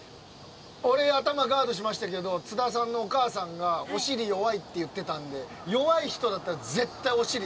俺はガードしましたけど津田さんのお母さんがお尻弱いって言ってたんで弱い人だったら絶対お尻。